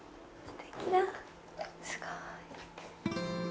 すてきだ、すごい。